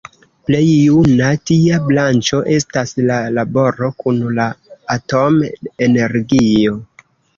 Plej juna tia branĉo estas la laboro kun la atom-energio.